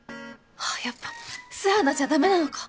ハァやっぱ素肌じゃダメなのか？